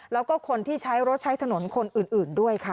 แล้วก็คนที่ใช้รถใช้ถนนคนอื่นด้วยค่ะ